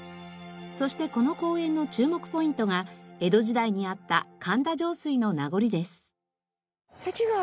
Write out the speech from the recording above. そしてこの公園の注目ポイントが江戸時代にあった神田上水の名残です。